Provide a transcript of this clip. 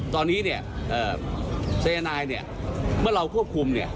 ตอนนี้เนี่ยสายนายเนี่ยเมื่อเราควบคุมเนี่ย